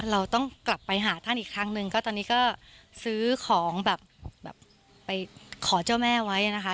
เราต้องกลับไปหาท่านอีกครั้งหนึ่งก็ตอนนี้ก็ซื้อของแบบไปขอเจ้าแม่ไว้นะคะ